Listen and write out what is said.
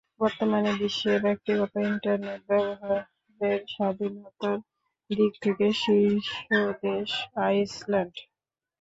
বর্তমানে বিশ্বে ব্যক্তিগত ইন্টারনেট ব্যবহারের স্বাধীনতার দিক থেকে শীর্ষ দেশ আইসল্যান্ড।